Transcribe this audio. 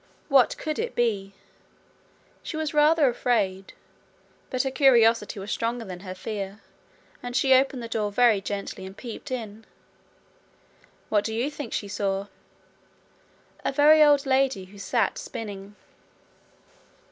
What could it be? She was rather afraid, but her curiosity was stronger than her fear, and she opened the door very gently and peeped in. What do you think she saw? A very old lady who sat spinning.